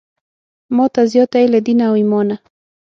ماته زیاته یې له دینه او ایمانه.